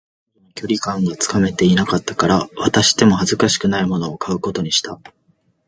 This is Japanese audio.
いまいち、彼女との距離感がつかめていなかったから、渡しても恥ずかしくないものを買うことにした